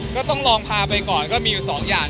ก็ต้องลองพาไปก่อนก็มีอยู่สองอย่าง